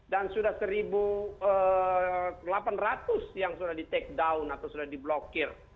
dan sudah satu delapan ratus yang sudah di take down atau sudah di blokir